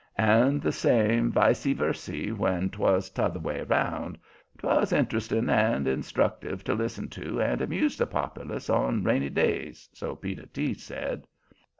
And the same vicy vercy when 'twas t'other way about. 'Twas interesting and instructive to listen to and amused the populace on rainy days, so Peter T. said.